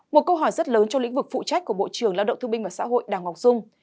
một câu hỏi rất lớn trong lĩnh vực phụ trách của bộ trưởng lao động thương binh và xã hội đào ngọc dung